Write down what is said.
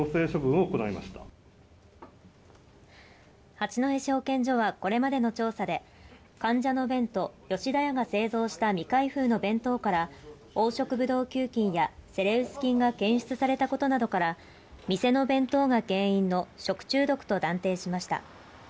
八戸市保健所はこれまでの調査で、患者の便と、吉田屋が製造した未開封の弁当から、黄色ブドウ球菌やセレウス菌が検出されたことなどから、店の弁当が原因の食中毒と断定しました。